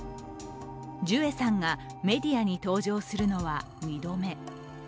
ジュエさんがメディアに登場するのは２度目。